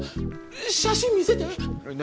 写真見せて。